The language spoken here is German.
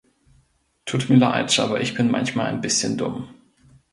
Tut mir leid, aber ich bin manchmal ein bisschen dumm.